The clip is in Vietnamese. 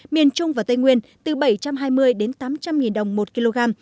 miền trung và tây nguyên từ bảy trăm hai mươi đến tám trăm linh nghìn đồng một kg